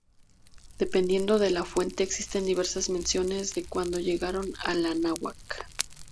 Dependiendo de la fuente, existen diversas menciones de cuándo llegaron al Anáhuac.